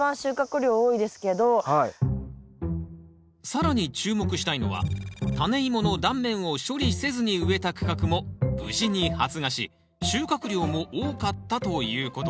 更に注目したいのはタネイモの断面を処理せずに植えた区画も無事に発芽し収穫量も多かったということです